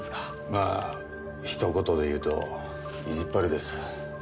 まあひと言で言うと意地っ張りです。